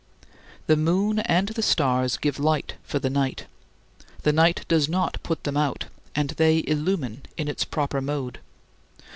The moon and the stars give light for the night; the night does not put them out, and they illumine in its proper mode.